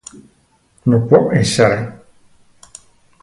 Non può essere.